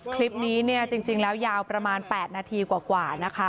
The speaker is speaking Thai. คลิปนี้เนี่ยจริงแล้วยาวประมาณ๘นาทีกว่านะคะ